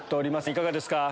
いかがですか？